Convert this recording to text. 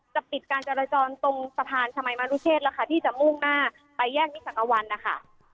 จะปิดการจรรย์จรตรงสะพานชมัยมารุเชษนะคะที่จะมุ่งหน้าไปแยกนี่ชักกะวันนะคะ